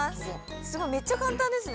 すごいめっちゃ簡単ですね。